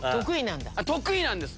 得意なんです。